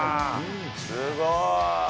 すごい。